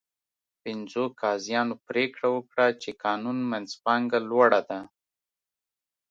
پنځو قاضیانو پرېکړه وکړه چې قانون منځپانګه لوړه ده.